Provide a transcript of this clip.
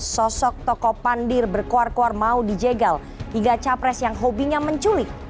sosok tokoh pandir berkuar kuar mau dijegal hingga capres yang hobinya menculik